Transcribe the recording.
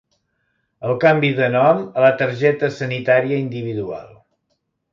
El canvi de nom a la targeta sanitària individual.